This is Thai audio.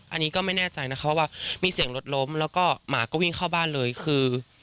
อันนี้ก็ไม่แน่ใจนะคะว่ามีเสียงรถล้มแล้วก็หมาก็วิ่งเข้าบ้านเลยคือ